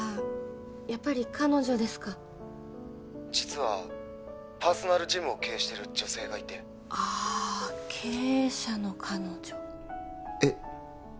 やっぱり彼女ですか☎実はパーソナルジムを経営してる女性がいてああ経営者の彼女えっ？